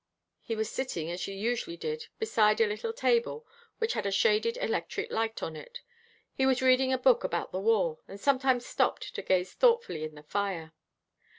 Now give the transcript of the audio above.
He was sitting, as he usually did, beside a little table which had a shaded electric light on it. He was reading a book about the war, and sometimes stopped to gaze thoughtfully in the fire.